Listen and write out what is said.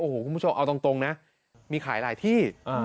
คุณผู้ชมเอาตรงนะมีขายหลายที่